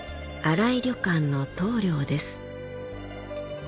新井旅館の棟梁です。